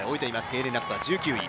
ゲーレン・ラップは１９位。